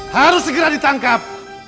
harus segera ditangkap